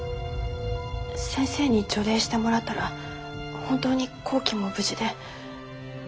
先生に除霊してもらったら本当に幸希も無事で。